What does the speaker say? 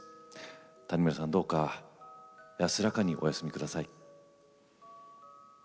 谷村さん、どうか安らかにお休みください。